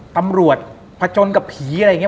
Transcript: ตำรวจผจญกับผีอะไรอย่างนี้